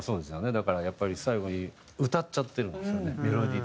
だからやっぱり最後に歌っちゃってるんですよねメロディー。